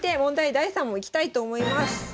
第３問いきたいと思います。